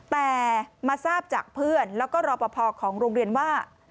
แต่มาทราบจากเพื่อนแล้วก็รอปภของโรงเรียนว่า